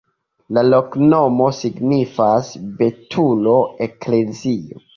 La loknomo signifas: betulo-eklezio.